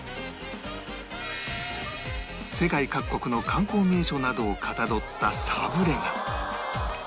世界各国の観光名所などをかたどったサブレが